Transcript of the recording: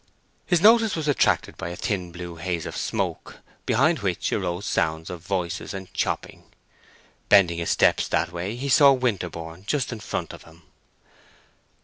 His notice was attracted by a thin blue haze of smoke, behind which arose sounds of voices and chopping: bending his steps that way, he saw Winterborne just in front of him.